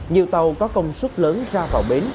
nhiều tàu có công suất lớn ra vào bến